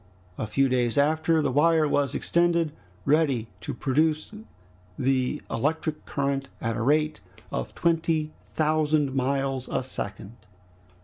A few days after, the wire was extended, ready to produce the electric current at a rate of twenty thousand miles a second.